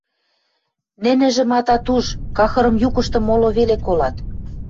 Нӹнӹжӹм атат уж, кахырым юкыштым моло веле колат.